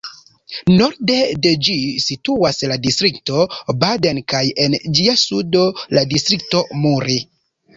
Norde de ĝi situas la distrikto Baden kaj en ĝia sudo la distrikto Muri.